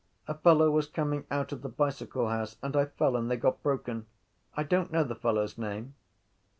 A fellow was coming out of the bicycle house and I fell and they got broken. I don’t know the fellow’s name.